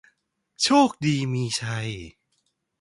โชคดีมีชัย